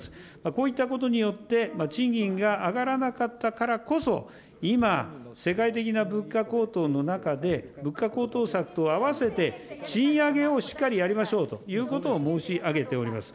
こういったことによって、賃金が上がらなかったからこそ、今、世界的な物価高騰の中で、物価高騰策とあわせて、賃上げをしっかりやりましょうということを申し上げております。